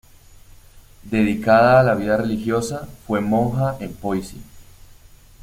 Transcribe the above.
Dedicada a la vida religiosa, fue monja en Poissy.